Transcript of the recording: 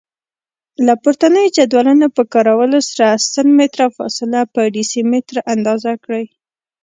له پورتنیو جدولونو په کارولو سره سل متره فاصله په ډیسي متره اندازه کړئ.